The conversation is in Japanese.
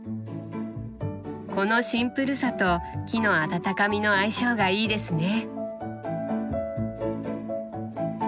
このシンプルさと木の温かみの相性がいいですね。